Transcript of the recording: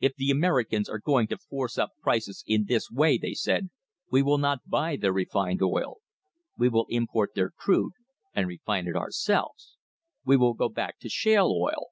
If the Americans are going to force up prices in this way, they said, we will not buy their refined oil. We will import their crude and refine it ourselves. We will go back to shale oil.